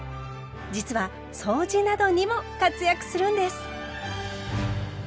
実は掃除などにも活躍するんです！